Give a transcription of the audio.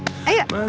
tapi hasuan pa